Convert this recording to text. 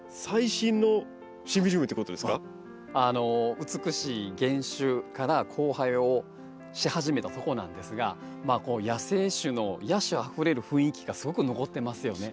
あの美しい原種から交配をし始めたとこなんですがまあこう野生種の野趣あふれる雰囲気がすごく残ってますよね。